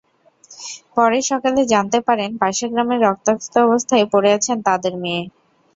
পরে সকালে জানতে পারেন, পাশের গ্রামে রক্তাক্ত অবস্থায় পড়ে আছেন তাঁদের মেয়ে।